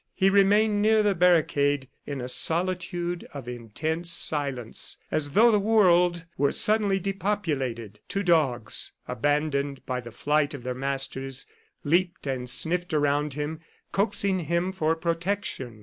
He remained near the barricade in a solitude of intense silence, as though the world were suddenly depopulated. Two dogs, abandoned by the flight of their masters, leaped and sniffed around him, coaxing him for protection.